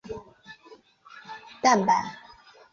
佛霍夫染色突出显示弹性蛋白。